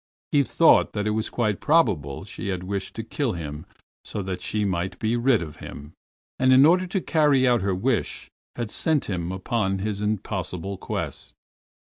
He thought that it was quite probable she had wished to kill him so that she might be rid of him, and in order to carry out her wish had sent him upon his impossible quest.